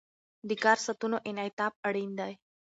د کار ساعتونو انعطاف اړین دی.